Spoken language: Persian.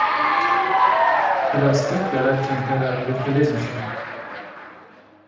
پلاستیک دارد کمکم رقیب فلز میشوند.